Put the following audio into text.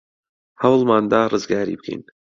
هەوڵمان دا ڕزگاری بکەین.